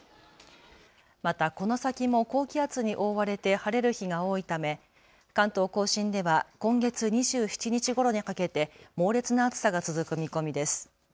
また、この先も高気圧に覆われて晴れる日が多いため関東甲信では今月２７日ごろにかけて猛烈な暑さが続く見込みです。